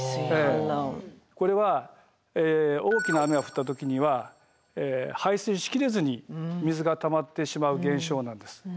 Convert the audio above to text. これは大きな雨が降った時には排水しきれずに水がたまってしまう現象なんです。